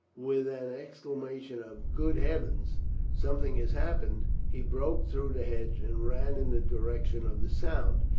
With an exclamation of "Good heavens! something has happened!" he broke through the hedge and ran in the direction of the sound.